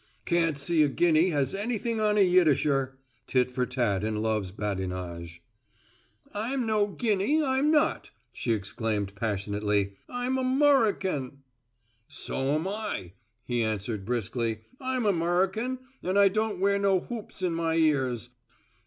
"Can't see a guinea has anything on a Yiddisher." Tit for tat in love's badinage. "I'm no guinea, I'm not," she exclaimed passionately. "I'm Amurrican." "So'm I," he answered briskly. "I'm Amurrican and I don't wear no hoops in my ears."